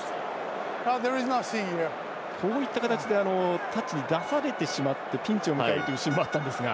こういった形でタッチに出されてしまってピンチを迎えるというシーンもあったんですが。